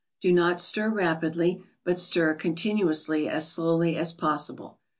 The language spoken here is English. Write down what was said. Do not stir rapidly, but stir continuously, as slowly as possible.